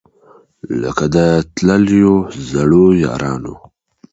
لکه د تللیو زړو یارانو